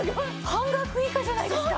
半額以下じゃないですか！